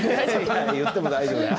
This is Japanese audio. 言っても大丈夫だよ。